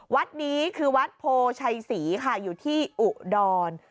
วัดนี้คือวัดโพชัยศรีค่ะอยู่ที่อุดร